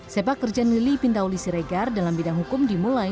sepak kerja lili pintauli siregar dalam bidang hukum dimulai